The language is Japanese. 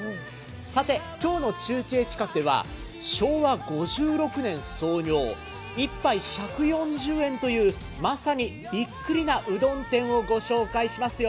さて今日の中継企画では昭和５６年創業、１杯１４０円という、まさにびっくりなうどん店をご紹介しますよ。